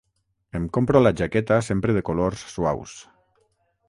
Em compro la jaqueta sempre de colors suaus.